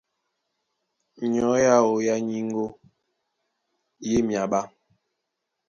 Nyɔ̌ ǎō yá nyíŋgó í e myaɓá.